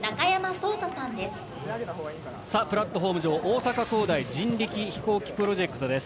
さあプラットホーム上大阪工大人力飛行機プロジェクトです。